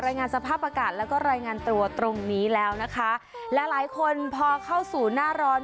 รายงานสภาพอากาศแล้วก็รายงานตัวตรงนี้แล้วนะคะหลายหลายคนพอเข้าสู่หน้าร้อน